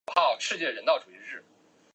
四海求凰。